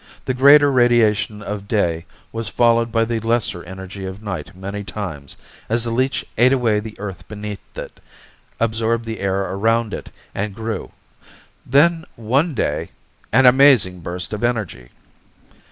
The greater radiation of day was followed by the lesser energy of night many times, as the leech ate away the earth beneath it, absorbed the air around it, and grew. Then one day An amazing burst of energy!